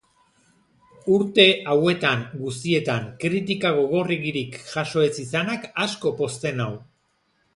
Urte hauetan guztietan kritika gogorregirik jaso ez izanak asko pozten nau.